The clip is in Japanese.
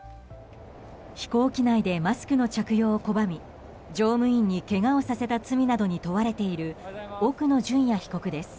飛行機内でマスクの着用を拒み乗務員にけがをさせた罪などに問われている奥野淳也被告です。